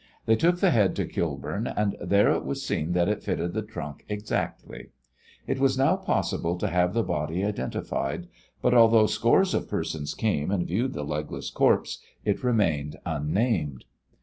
They took the head to Kilburn, and there it was seen that it fitted the trunk exactly. It was now possible to have the body identified, but, although scores of persons came and viewed the legless corpse, it remained unnamed.